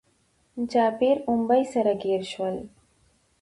جابير اونبي سره ګير شول